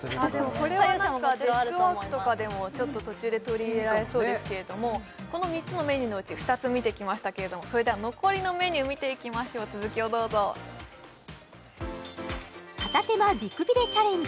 これはデスクワークとかでもちょっと途中で取り入れられそうですけれどもこの３つのメニューのうち２つ見てきましたけれどもそれでは残りのメニュー見ていきましょう続きをどうぞ片手間美くびれチャレンジ